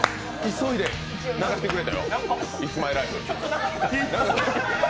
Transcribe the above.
急いで流してくれたよ、「イッツマイライフ」。